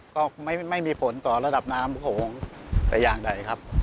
ก็ไม่มีผลต่อระดับน้ำโขงแต่อย่างใดครับ